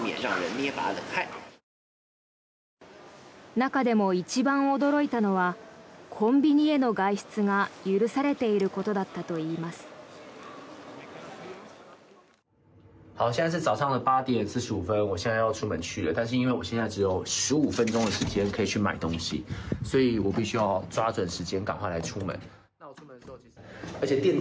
中でも一番驚いたのはコンビニへの外出が許されていることだったといいます。